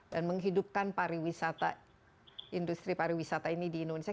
dan menghidupkan industri pariwisata ini di indonesia